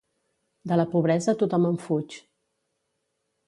De la pobresa tothom en fuig.